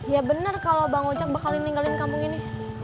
ya bener kalau bang ojak bakal ninggalin kampung ini